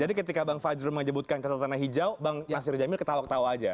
jadi ketika bang fajrul menyebutkan catatannya hijau bang nasir jamil ketawa ketawa saja